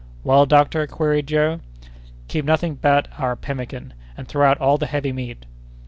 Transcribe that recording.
"Well, doctor?" queried Joe. "Keep nothing but our pemmican, and throw out all the heavy meat."